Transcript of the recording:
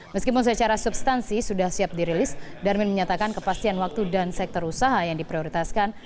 meskipun secara substansi sudah siap dirilis darmin menyatakan kepastian waktu dan sektor usaha yang diprioritaskan